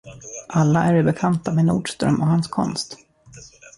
Alla är vi bekanta med Nordström och hans konst.